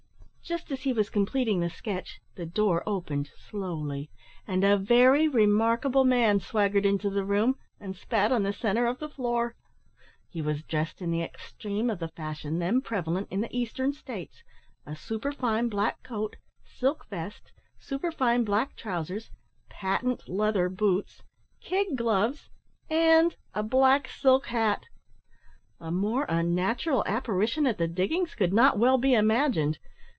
Just as he was completing the sketch, the door opened slowly, and a very remarkable man swaggered into the room, and spat on the centre of the floor. He was dressed in the extreme of the fashion then prevalent in the Eastern States. A superfine black coat, silk vest, superfine black trousers, patent leather boots, kid gloves, and a black silk hat! A more unnatural apparition at the diggings could not well be imagined.